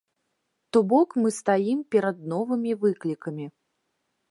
То бок мы стаім перад новымі выклікамі.